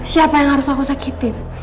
siapa yang harus aku sakitin